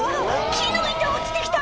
木の板落ちてきた！